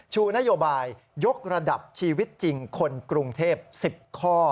ชูนโยบายยกระดับชีวิตจริงคนกรุงเทพ๑๐ข้อ